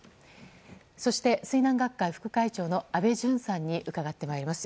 そして、水難学会副会長の安倍淳さんに伺ってまいります。